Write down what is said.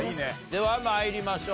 では参りましょう。